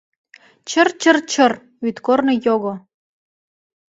Чыр-чыр-чыр — вӱдкорно, його;